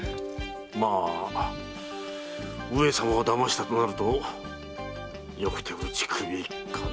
まあ上様をだましたとなるとよくて打ち首かな？